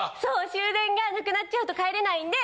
終電が無くなっちゃうと帰れないんで。